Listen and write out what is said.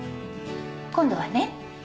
今度はね